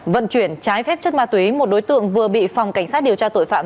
vận chuyển trái phép chất ma túy một đối tượng vừa bị phòng cảnh sát điều tra tội phạm